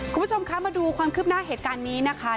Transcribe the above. คุณผู้ชมคะมาดูความคืบหน้าเหตุการณ์นี้นะคะ